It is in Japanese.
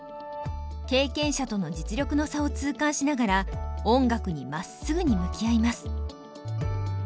経験者との実力の差を痛感しながら音楽にまっすぐに向き合います。